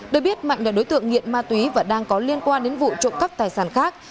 được biết mạnh là đối tượng nghiện ma túy và đang có liên quan đến vụ trộm cắp tài sản khác